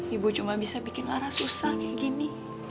ibu cuma bisa bikin lara susah kayak gini